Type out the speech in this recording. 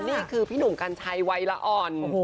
นี่คือพี่หนุ่มกัญชัยวัยละอ่อน